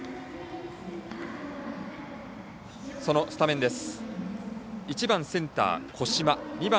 そのスタメンです。